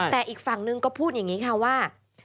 แต่อีกฝั่งนึงก็พูดอย่างนี้ค่ะว่า